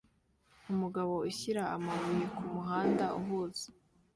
Umugabo ushyira amabuye kumuhanda uhuze